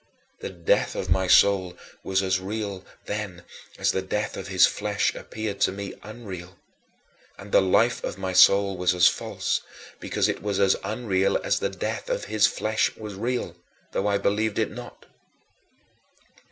The death of my soul was as real then as the death of his flesh appeared to me unreal. And the life of my soul was as false, because it was as unreal as the death of his flesh was real, though I believed it not.